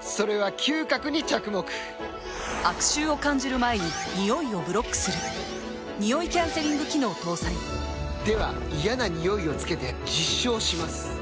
それは嗅覚に着目悪臭を感じる前にニオイをブロックするニオイキャンセリング機能搭載では嫌なニオイをつけて実証します